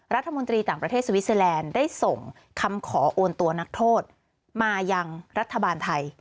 รัฐมนตรีต่างประเทศสวิสเตอร์แลนด์ได้ส่งคำขอโอนตัวนักโทษมายังรัฐบาลไทย